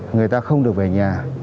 người ta không được về nhà